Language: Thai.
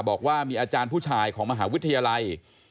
บอกว่ามีอาจารย์ผู้ชายของมหาวิทยาลัย